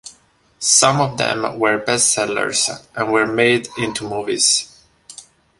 Some of them were best-sellers and were made into movies.